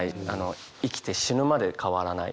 生きて死ぬまで変わらない。